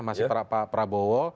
masih pak prabowo